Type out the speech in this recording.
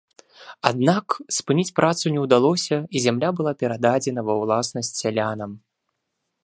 Аднак, спыніць працу не ўдалося і зямля была перададзена ва ўласнасць сялянам.